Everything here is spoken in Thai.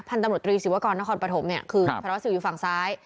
ตำรวจตรีศิวากรนครปฐมเนี่ยคือสารวัสสิวอยู่ฝั่งซ้าย